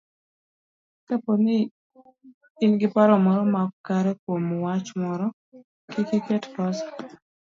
Kapo ni in gi paro moro maok kare kuom wach moro, kik iket kosa